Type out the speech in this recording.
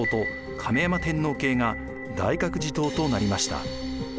亀山天皇系が大覚寺統となりました。